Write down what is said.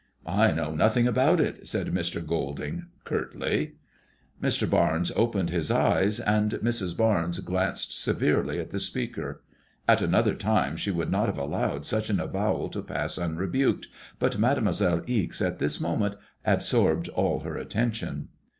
''I know nothing about it," said Mr. Golding, curtly. AIAOKIf OISnXB KX. 53 Mr. Barnes opened his eyes, and Mrs. Barnes glanced severely at the speaker. At another time she would not have allowed such an avowal to pass onreboked, bat Mademoiselle Ize at this moment absorbed all her atten tion.